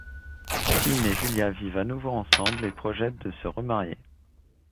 Sean et Julia vivent à nouveau ensemble et projettent de se remarier.